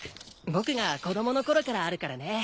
僕が子供のころからあるからね。